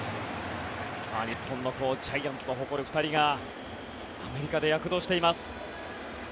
日本のジャイアンツの誇る２人がアメリカで躍動しています。